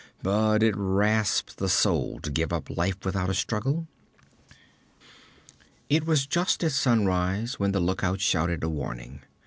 'But it rasps the soul to give up life without a struggle.' It was just at sunrise when the lookout shouted a warning.